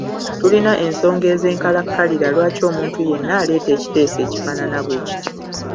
Tulina ensonga ez’enkalakkalira lwaki tuwakanya omuntu yenna aleeta ekiteeso ekifaanana bwekityo.